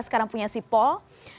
sekarang punya sipol